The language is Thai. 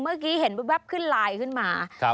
เมื่อกี้เห็นแว๊บขึ้นไลน์ขึ้นมา